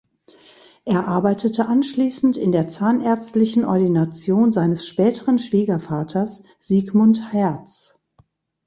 Er arbeitete anschließend in der zahnärztlichen Ordination seines späteren Schwiegervaters Siegmund Herz.